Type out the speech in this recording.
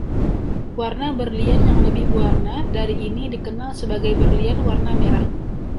Warna berlian yang lebih berwarna dari ini dikenal sebagai berlian "warna mewah".